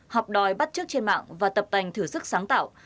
học đòi bắt chức trên mạng và tập tành thử sức sáng tạo